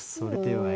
はい。